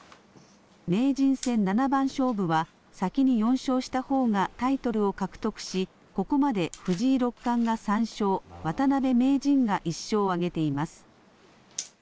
名人戦七番勝負は先に４勝したほうがタイトルを獲得しここまで藤井六冠が３勝、渡辺名人が１勝を挙げています。